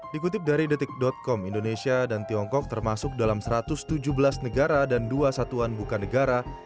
dikutip dari detik com indonesia dan tiongkok termasuk dalam satu ratus tujuh belas negara dan dua satuan bukan negara